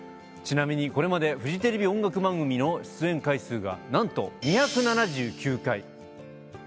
ちなみにこれまでフジテレビ音楽番組の出演回数が何と２７９回。